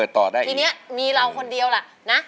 ทีนี้มีเราคนเดียวล่ะนะ